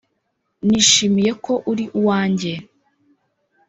nishimiye ko uri uwanjye.